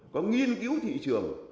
có nghiên cứu thị trường